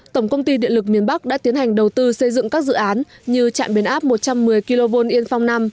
tổng công ty điện lực miền bắc đã tiến hành đầu tư xây dựng các dự án như trạm biến áp một trăm một mươi kv yên phong năm